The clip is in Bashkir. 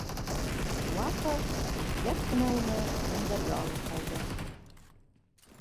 Лапа ипләп кенә уны мендәргә алып һалды.